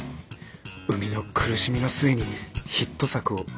産みの苦しみの末にヒット作を生み出す。